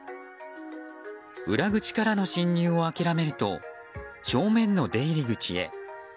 裏口からの侵入を諦めると正面の出入り口へ。